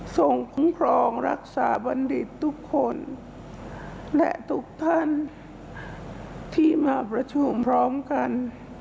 คุ้มครองรักษาบัณฑิตทุกคนและทุกท่านที่มาประชุมพร้อมกัน